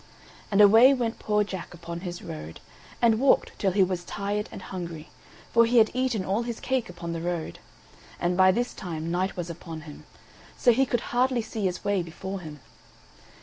And away went poor Jack upon his road, and walked till he was tired and hungry, for he had eaten all his cake upon the road; and by this time night was upon him, so he could hardly see his way before him.